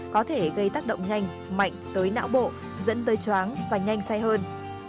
có thể gây tác động nhanh mạnh tới não bộ dẫn tới chóng và nhanh xay hơn